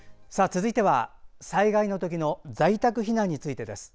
続いては、災害のときの在宅避難についてです。